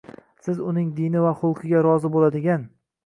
Siz uning dini va xulqiga rozi boʻladigan.